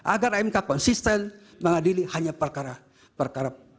agar mk konsisten mengadili hanya perkara perkara